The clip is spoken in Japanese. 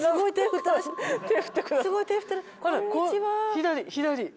左左。